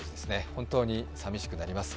本当に寂しくなります。